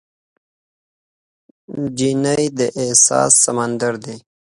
نجلۍ د احساس سمندر ده.